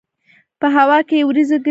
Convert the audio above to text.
په هوا کې یې وريځې ګرځي.